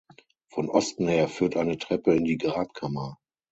Von Osten her führt eine Treppe in die Grabkammer.